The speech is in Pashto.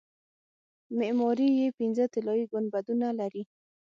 معماري یې پنځه طلایي ګنبدونه لري.